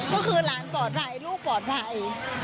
ก็คือหลานปลอดภัยลูกปลอดภัย